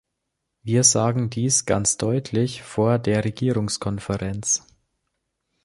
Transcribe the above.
Wir sagen dies ganz deutlich vor der Regierungskonferenz.